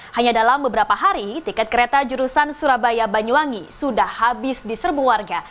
hanya dalam beberapa hari tiket kereta jurusan surabaya banyuwangi sudah habis di serbu warga